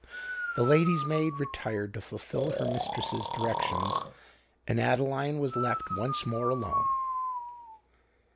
The lady's maid retired to fulfil her mistress's directions; and Adeline was left once more alone.